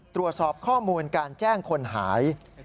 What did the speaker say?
ตรวจสอบข้อมูลการแจ้งคนหาย